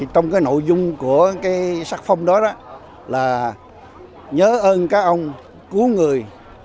trong cái nội dung của cái sắc phong đó là nhớ ơn các ông cứu người